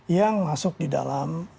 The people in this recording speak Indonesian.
yang masuk di dalam